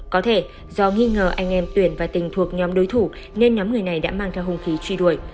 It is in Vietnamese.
có thể do nghi ngờ anh em tuyển và tình thuộc nhóm đối thủ nên nhóm người này đã mang theo hung khí truy đuổi